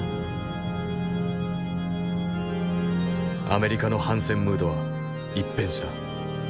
アメリカの反戦ムードは一変した。